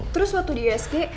terus waktu di esg